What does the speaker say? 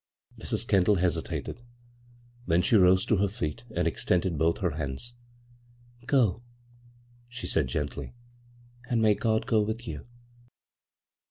" Mrs. Kendall hesitated ; then she rose to her feet and extended both her hands. " Go," she said gently. " And may God go with you